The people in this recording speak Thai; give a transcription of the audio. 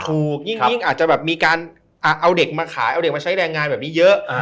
ยิ่งอาจจะแบบมีการเอาเด็กมาขายเอาเด็กมาใช้แรงงานแบบนี้เยอะ